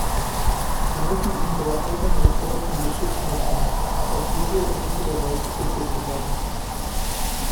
Wir müssen unsere eigenen Ressourcen geschickt nutzen, auf die wir unnötigerweise verzichtet haben.